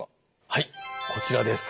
はいこちらです。